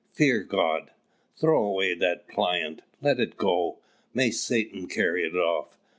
Fear God! throw away that plaint, let it go! may Satan carry it off!